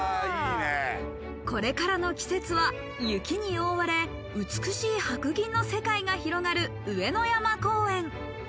これからの季節は雪に覆われ、美しい白銀の世界が広がる上ノ山公園。